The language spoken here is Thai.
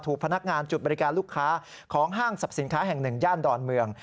พนักงานจุดบริการลูกค้าของห้างสรรพสินค้าแห่งหนึ่งย่านดอนเมือง